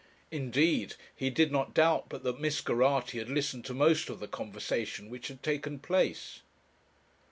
Indeed he did not doubt but that Miss Geraghty had listened to most of the conversation which had taken place.